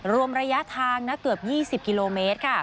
รวมระยะทางนะเกือบ๒๐กิโลเมตรค่ะ